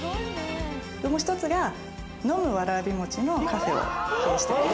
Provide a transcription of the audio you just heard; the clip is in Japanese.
もう１つが、飲むわらび餅のカフェを経営してます。